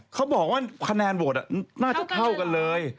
เขาบอกว่าคะแนนโหวตน่าจะเท่ากันเลย